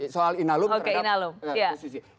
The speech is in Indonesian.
soal inalum terhadap posisi